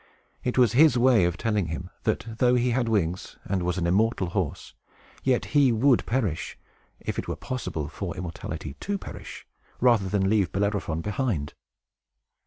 It was his way of telling him that, though he had wings and was an immortal horse, yet he would perish, if it were possible for immortality to perish, rather than leave Bellerophon behind.